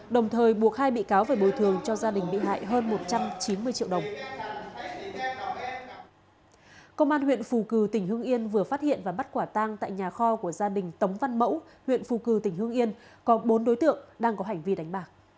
đồng thời buộc hai bị cáo phải bồi thường cho gia đình bị hại hơn một trăm chín mươi triệu đồng